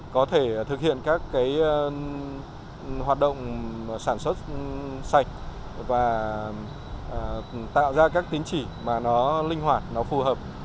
có thể thực hiện các hoạt động sản xuất sạch và tạo ra các tín chỉ mà nó linh hoạt nó phù hợp